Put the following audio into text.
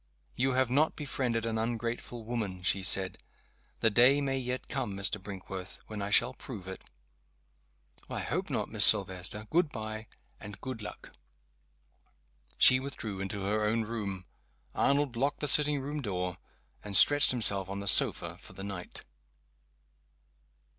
"You have not befriended an ungrateful woman," she said. "The day may yet come, Mr. Brinkworth, when I shall prove it." "I hope not, Miss Silvester. Good by, and good luck!" She withdrew into her own room. Arnold locked the sitting room door, and stretched himself on the sofa for the night.